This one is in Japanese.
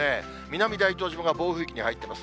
南大東島が暴風域に入っています。